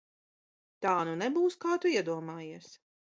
Tā nu nebūs, kā Tu iedomājies!